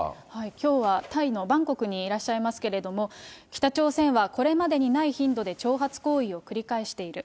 きょうはタイのバンコクにいらっしゃいますけれども、北朝鮮はこれまでにない頻度で挑発行為を繰り返している。